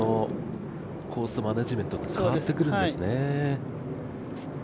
マネジメントって変わってくるんですね。